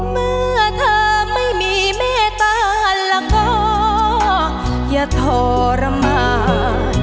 เมื่อเธอไม่มีเมตตาแล้วก็อย่าทรมาน